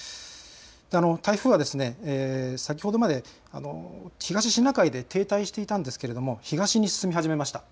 台風は先ほどまで東シナ海で停滞していたんですが東に進み始めました。